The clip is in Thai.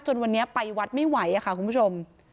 วันนี้ไปวัดไม่ไหวค่ะคุณผู้ชม